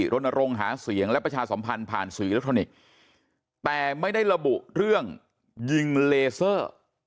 รณรงค์หาเสียงและประชาสัมพันธ์ผ่านสื่ออิเล็กทรอนิกส์แต่ไม่ได้ระบุเรื่องยิงเลเซอร์